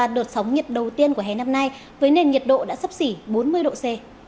trải qua đột sóng nhiệt đầu tiên của hè năm nay với nền nhiệt độ đã sắp xỉ bốn mươi độ c